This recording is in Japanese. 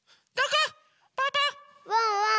ワンワン